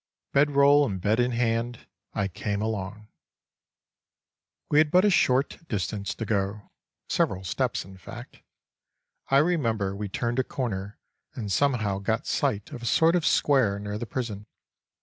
Bed roll and bed in hand, I came along. We had but a short distance to go; several steps in fact. I remember we turned a corner and somehow got sight of a sort of square near the prison.